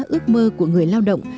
ước mơ của người lao động